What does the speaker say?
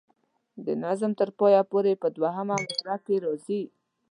د نظم تر پایه پورې په دوهمه مصره کې راځي.